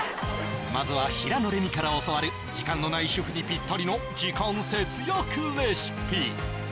まずは平野レミから教わる時間のない主婦にピッタリの時間節約レシピ